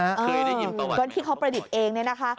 เคยได้ยินประวัติโดยที่เขาประดิษฐ์เองนี่นะคะ